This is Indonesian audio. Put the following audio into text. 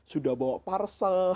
sudah bawa parsel